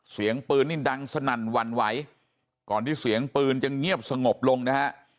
เสียงปืนนี่ดังสนั่นหวั่นไหวก่อนที่เสียงปืนจะเงียบสงบลงนะฮะ